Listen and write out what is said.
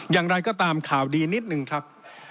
อย่างไรก็ตามข่าวดีนิดนึงครับ